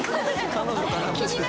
彼女かな？